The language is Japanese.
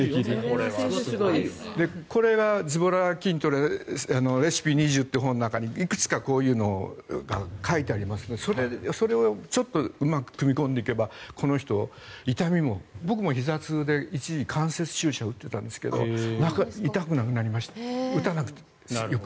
「ずぼら筋トレレシピ２０」という本の中にいくつかこういうのが書いてありますのでそれをうまく組み込んでいけばこの人、痛みも僕もひざ痛で一時関節注射を打っていたんですが打たなくてよくなりました。